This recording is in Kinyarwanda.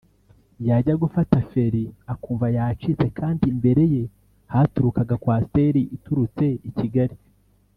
yajya gufata feri akumva yacitse kandi imbere ye haturukaga Coaster iturutse I Kigali